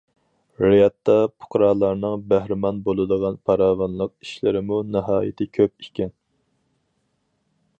رىيادتا پۇقرالارنىڭ بەھرىمەن بولىدىغان پاراۋانلىق ئىشلىرىمۇ ناھايىتى كۆپ ئىكەن.